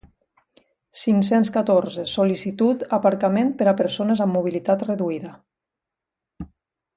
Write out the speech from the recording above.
Cinc-cents catorze Sol·licitud aparcament per a persones amb mobilitat reduïda.